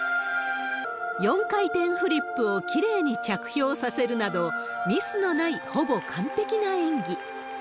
４回転フリップをきれいに着氷させるなど、ミスのないほぼ完璧な演技。